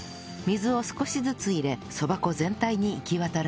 水を少しずつ入れそば粉全体に行き渡らせます